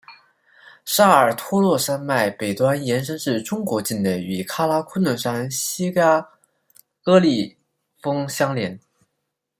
萨尔托洛山脉北端延伸至中国境内与喀喇昆仑山锡亚康戈里峰相连。